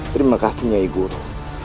terima kasih nyai guru